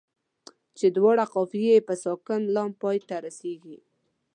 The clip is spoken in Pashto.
چې دواړو قافیه یې په ساکن لام پای ته رسيږي.